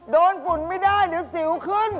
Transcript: โดนฝุ่นไม่ได้หรือสิวขึ้น